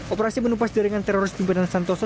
operasi penumpas jaringan teroris timpadan santoso